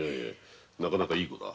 なかなかいい子だ。